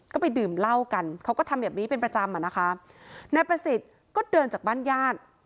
ก็ไปดื่มเหล้ากันเขาก็ทำแบบนี้เป็นประจำอ่ะนะคะนายประสิทธิ์ก็เดินจากบ้านญาติ